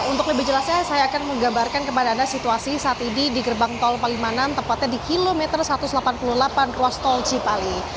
untuk lebih jelasnya saya akan menggambarkan kepada anda situasi saat ini di gerbang tol palimanan tepatnya di kilometer satu ratus delapan puluh delapan ruas tol cipali